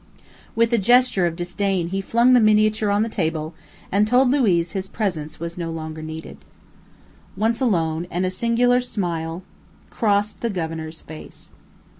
With a gesture of disdain he flung the miniature on the table, and told Luiz his presence was no longer needed. Once alone, and a singular smile crossed the governor's face.